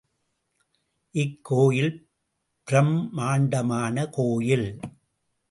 இக்கோயில் பிரும்மாண்டமான கோயில்.